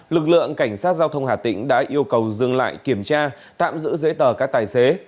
lực lượng cảnh sát giao thông hà tĩnh đã yêu cầu dừng lại kiểm tra tạm giữ giấy tờ các tài xế